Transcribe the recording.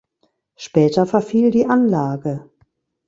Später verfiel die Anlage.